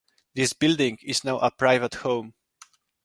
This building is now a private home.